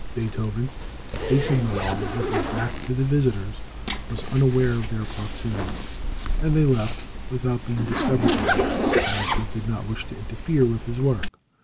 Beethoven, facing the wall with his back to the visitors, was unaware of their proximity, and they left without being discovered by him, as they did not wish to interfere with his work.